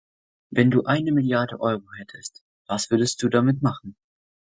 Wenn du eine Milliarde Euro hättest. Was würdest Du damit machen?